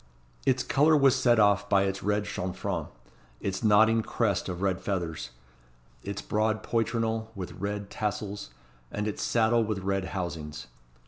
Its colour was set off by its red chanfrein, its nodding crest of red feathers, its broad poitrinal with red tassels, and its saddle with red housings.